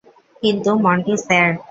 কিন্তু, Monty sir.